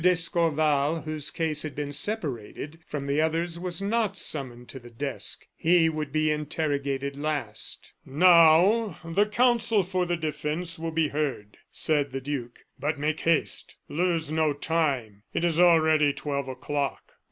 d'Escorval, whose case had been separated from the others, was not summoned to the desk. He would be interrogated last. "Now the counsel for the defence will be heard," said the duke; "but make haste; lose no time! It is already twelve o'clock."